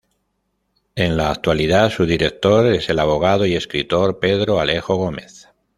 En la actualidad su director es el abogado y escritor Pedro Alejo Gómez.